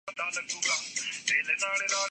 بالکل بے بس کھڑی تھی۔